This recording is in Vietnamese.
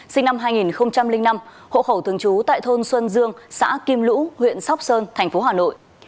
sinh năm hai nghìn năm hộ khẩu thường trú tại thôn xuân dương xã kim lũ huyện sóc sơn thành phố hà nội